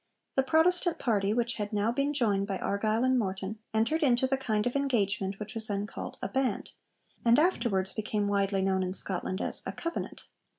The Protestant party, which had now been joined by Argyll and Morton, entered into the kind of engagement which was then called a 'Band,' and afterwards became widely known in Scotland as a 'Covenant.'